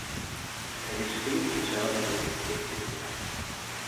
Er is geen gezamenlijk terugkeerbeleid.